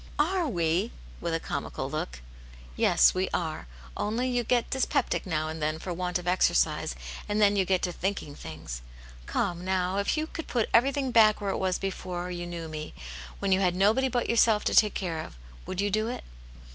" Are we ?" with a comical look. " Yes, we are. Only you get dyspeptic now and then for want of exercise, and then you get to think ing things. Come, now, if you could put everything back where it was before you knew me, when you had nobody but yourself to take care of, would you doit?"